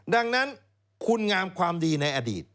ดังนั้นคุณงามความดีในอดีต